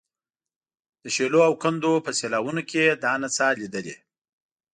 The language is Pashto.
د شیلو او کندو په سیلاوونو کې یې دا نڅا لیدلې.